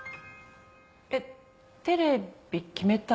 えっテレビ決めたの？